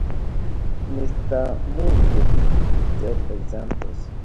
Mister Moon depicted examples.